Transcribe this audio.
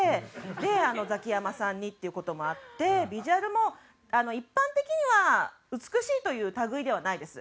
でザキヤマさん似っていう事もあってビジュアルも一般的には美しいという類いではないです。